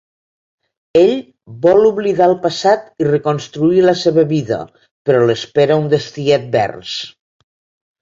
Ell vol oblidar el passat i reconstruir la seva vida, però l'espera un destí advers.